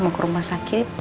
mau ke rumah sakit